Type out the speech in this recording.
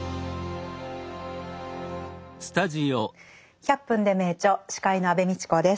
「１００分ｄｅ名著」司会の安部みちこです。